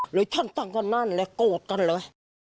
หรือฉันตั้งตั้งนั้นและโกรธกันเลย